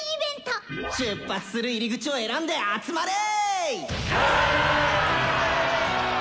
「出発する入り口を選んで集まれ！」。